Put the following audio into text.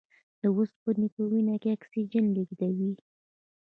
د اوسپنې په وینه کې اکسیجن لېږدوي.